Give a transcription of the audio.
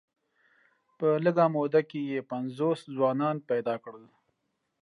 په لږه موده کې یې پنځوس ځوانان پیدا کړل.